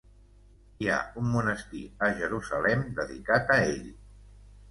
Hi ha un monestir a Jerusalem dedicat a ell.